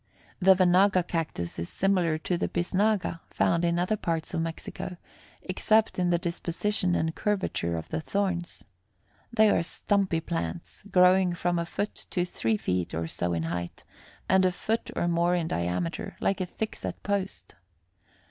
The venaga cactus is similar to the bisnaga, found in other parts of Mexico, except in the disposition and curvature of the thorns. They are stumpy plants, growing from a foot to three feet or so in height, and a foot or more in diameter, like a thickset post.